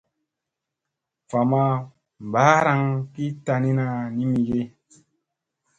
Va ma mbaaraŋ ki tanina ni mige.